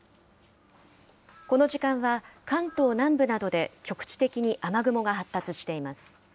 この時間は関東南部などで局地的に雨雲が発達しています。